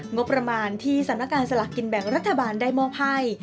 งบประมาณที่สำนักการสลักกินแบ่งรัฐบาลได้มอบให้